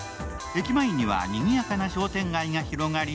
駅前にはにぎやかな商店街が広がり